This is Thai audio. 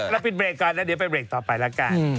เราปิดเบรกก่อนเราไปเบรกต่อไปล่ะกัน